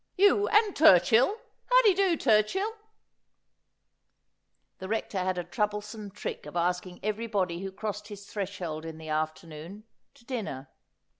You and Turchill. How d'ye do, Turchill ?' The Rector had a troublesome trick of asking everybody who crossed his threshold in the afternoon to dinner.